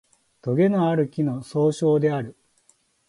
とげのある木の総称である